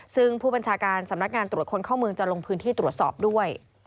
ซึ่งผู้บัญชาการสำนักงานตรวจคนเข้าเมืองจะลงพื้นที่ตรวจสอบด้วย